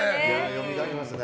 よみがえりますね。